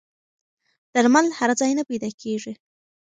درمل هر ځای نه پیدا کېږي.